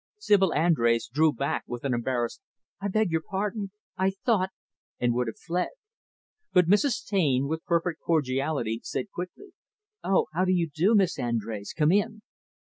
Sibyl Andrés drew back with an embarrassed, "I beg your pardon. I thought " and would have fled. But Mrs. Taine, with perfect cordiality, said quickly, "O how do you do, Miss Andrés; come in."